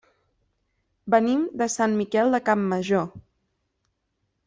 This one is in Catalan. Venim de Sant Miquel de Campmajor.